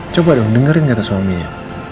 coba dong dengerin kata suaminya